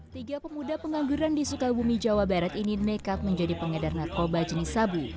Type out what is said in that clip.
tiga pemuda pengangguran di sukabumi jawa barat ini nekat menjadi pengedar narkoba jenis sabu